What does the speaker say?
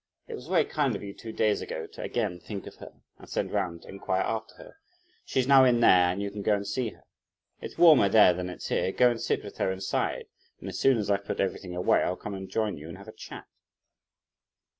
It was very kind of you two days ago to again think of her, and send round to inquire after her. She's now in there, and you can go and see her. It's warmer there than it's here; go and sit with her inside, and, as soon as I've put everything away, I'll come and join you and have a chat."